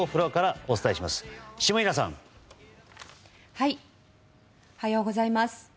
おはようございます。